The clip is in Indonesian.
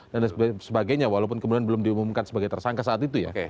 dan sebagainya walaupun kemudian belum diumumkan sebagai tersangka saat itu ya